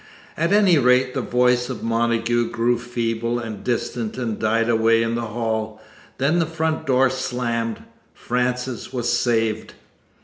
At any rate, the voice of Montagu grew feeble and distant and died away in the hall. Then the front door slammed. Frances was saved!